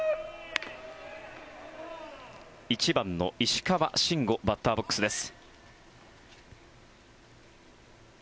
１番の石川慎吾バッターボックスです。